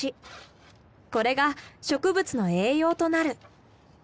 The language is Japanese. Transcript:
これが植物の栄養となる。